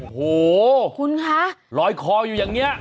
โหคุณคะรอยคออยู่อย่างเงี้ย